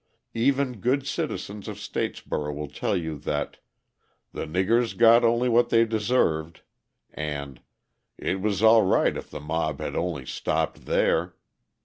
Even good citizens of Statesboro will tell you that "the niggers got only what they deserved," and "it was all right if the mob had only stopped there."